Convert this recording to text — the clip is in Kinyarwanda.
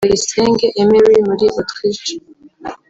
Bayisenge Emery muri Autriche